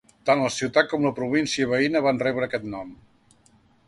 Tant la ciutat com la província veïna va rebre aquest nom.